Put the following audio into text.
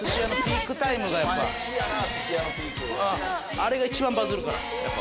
あれが一番バズるからやっぱ。